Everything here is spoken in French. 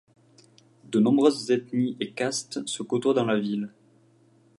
De nombreuses ethnies et castes se côtoient dans la ville.